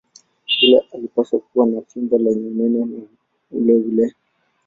Yule alipaswa kuwa na fimbo lenye unene uleule.